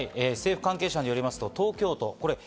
政府関係者によりますと東京都。